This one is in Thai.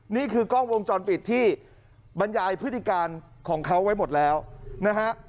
นี่คือกล้องวงจรปิดที่บรรยายพฤติการของเขาไว้หมดแล้วนะฮะ